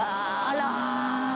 あら！